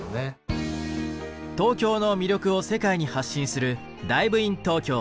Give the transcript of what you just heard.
東京の魅力を世界に発信する「ＤｉｖｅｉｎＴｏｋｙｏ」。